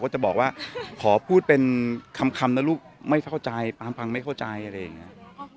ก็จะบอกว่าขอพูดเป็นคำรูปพังไม่เข้าใจอะไรอย่างเนี่ย